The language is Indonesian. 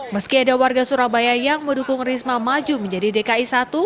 meski ada warga surabaya yang mendukung risma maju menjadi dki satu